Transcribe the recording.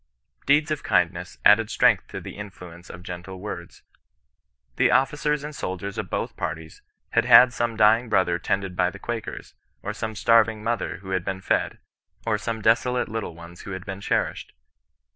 Deeds of kindness added strength to the influence of CHRISTIAN NONBESISTANCB. 127 gentle words. The officers and soldiers of both parties had had some dying brother tended by the Quakers, or some starving mother who had been led, or some deso late little ones who had been cherished.